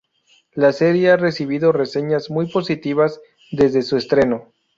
La serie ha recibido reseñas muy positivas desde su estreno.